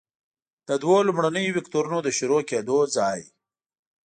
د دوو لومړنیو وکتورونو د شروع کیدو ځای.